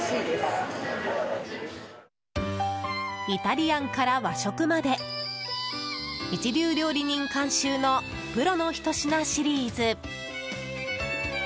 イタリアンから和食まで一流の料理人監修のプロの一品シリーズ。